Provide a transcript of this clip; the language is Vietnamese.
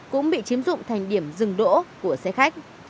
cũng bị chiếm dụng thành điểm dừng đỗ của xe khách